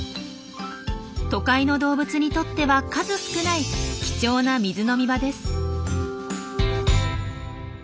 都会の動物にとっては数少ない貴重な水飲み場です。